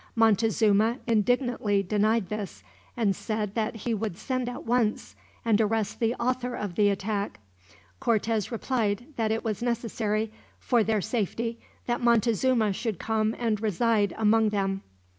Montezuma indignantly denied this, and said that he would send at once, and arrest the author of the attack. Cortez replied that it was necessary, for their safety, that Montezuma should come and reside among them.